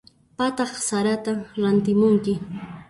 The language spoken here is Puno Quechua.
Phataq saratan rantimunki.